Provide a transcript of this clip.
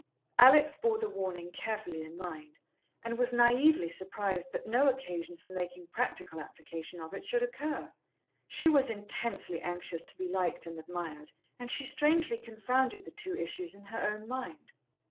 Alex bore the warning carefully in mind, and was naïvely surprised that no occasion for making practical application of it should occur. She was intensely anxious to be liked and admired, and she strangely confounded the two issues in her own mind.